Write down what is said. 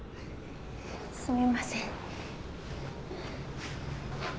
すみません。